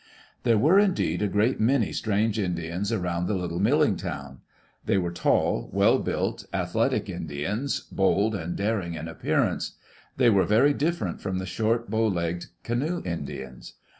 There were indeed a great many strange Indians around the little milling town. They were tall, well built, athletic Indians, bold and daring in appearance; they were very different from the short, bow legged canoe Indians.